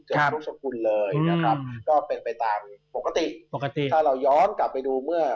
ทุกสกุลเลยนะครับก็เป็นไปตามปกติปกติถ้าเราย้อนกลับไปดูเมื่อ